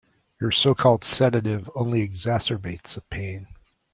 Your so-called sedative only exacerbates the pain.